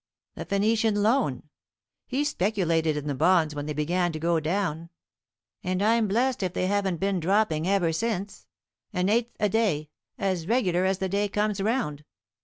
"The Phoenician Loan. He speculated in the bonds when they began to go down; and I'm blessed if they haven't been dropping ever since, an eighth a day, as regular as the day comes round.